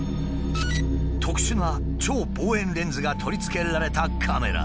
特殊な超望遠レンズが取り付けられたカメラ。